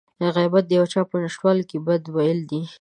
غيبت د يو چا په نشتوالي کې بدي ويل دي.